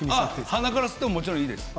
鼻から吸ってももちろんいいです。